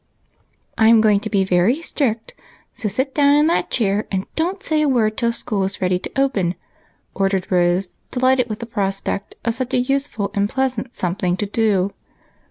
" I'm going to be very strict, so sit down in that SOMETHING TO DO. 257 chair and don't say a word till school is readj to open," ordered Rose, delighted with the prospect of such a useful and pleasant " something to do."